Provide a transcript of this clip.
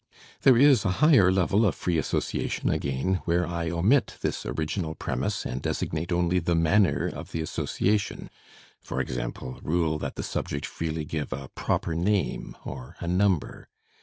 There is a higher level of free association again, where I omit this original premise and designate only the manner of the association, e.g., rule that the subject freely give a proper name or a number.